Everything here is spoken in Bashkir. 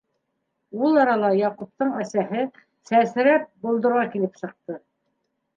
Ул арала Яҡуптың әсәһе, сәсрәп, болдорға килеп сыҡты: